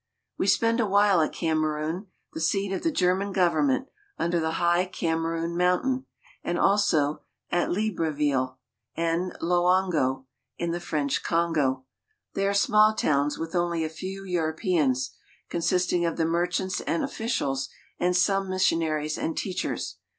We spend a while at Kamerun, the seat of the German government, under the high Kamerun mountain, and also at Libreville (le br vel') and Loango (l6 an'go) in the French Kongo. They are small towns, with only a few Europeans, consisting of the merchants and officials, and some missionaries and teachers.